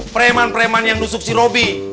preman preman yang nusuk si robi